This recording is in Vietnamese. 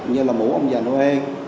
như là mũ ông già noel